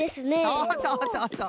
そうそうそうそう。